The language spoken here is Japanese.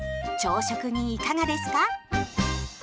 朝食にいかがですか？